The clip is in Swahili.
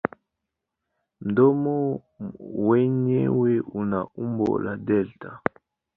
Mdomo wenyewe una umbo la delta.